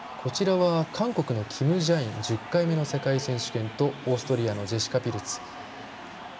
韓国のキム・ジャイン１０回目の世界選手権とオーストリアのジェシカ・ピルツ。